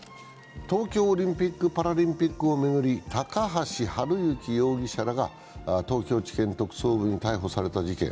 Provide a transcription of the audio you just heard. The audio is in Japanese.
東京オリンピック・パラリンピックを巡り高橋治之容疑者らが東京地検特捜部に逮捕された事件。